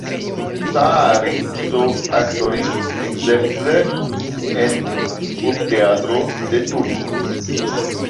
Saaristo aktoris ekzemple en Urbteatrejo de Turku.